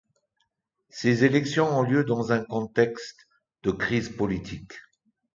Ces élections ont lieu dans un contexte de crise politique.